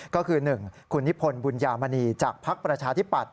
ก็คือ๑คุณนิพนธ์บุญญามณีจากภักดิ์ประชาธิปัตย